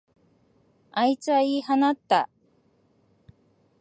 あいつは言い放った。